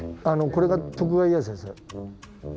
これが徳川家康です。